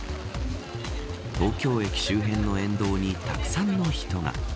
東京駅周辺の沿道にたくさんの人が。